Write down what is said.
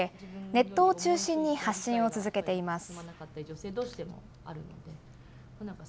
ネットを中心に発信を続けています。